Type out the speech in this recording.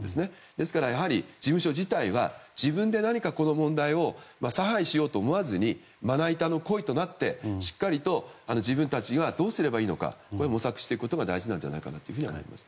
ですから、やはり事務所自体は自分で何かこの問題を差配しようとは思わずにまな板のコイとなってしっかりと自分たちがどうすればいいのかを模索していくことが大事なんじゃないかなと思います。